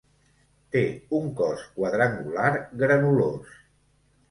Té un cos quadrangular granulós.